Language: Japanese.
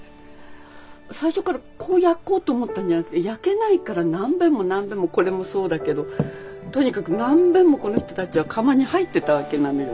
最初からこう焼こうと思ったんじゃなくて焼けないから何べんも何べんもこれもそうだけどとにかく何べんもこのひとたちは窯に入ってたわけなのよ。